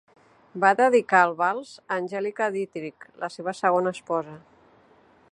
Va dedicar el vals a Angelika Dittrich, la seva segona esposa.